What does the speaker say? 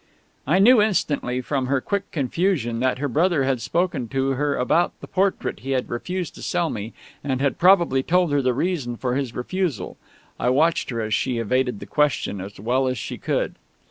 I knew instantly, from her quick confusion, that her brother had spoken to her about the portrait he had refused to sell me, and had probably told her the reason for his refusal. I watched her as she evaded the question as well as she could.